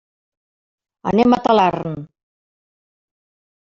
Anem a Talarn.